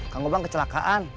kang gobang kecelakaan